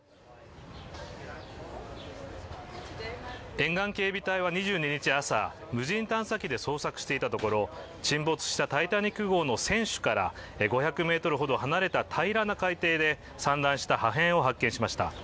沿岸警備隊は２２日朝、無人探査機で捜索していたところ沈没した「タイタニック」号の船首から５００ｍほど離れた平らな海底で散乱した破片を発見しました。